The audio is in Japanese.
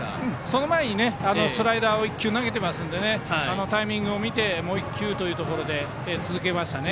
その前にスライダーを１球投げているのでタイミングを見てもう１球というので続けましたね。